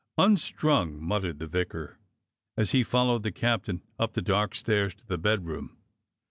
f^" "Unstrung," muttered the vicar, as he followed the captain up the dark stairs to the bedroom.